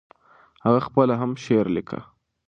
هغه خپله هم شعر ليکه.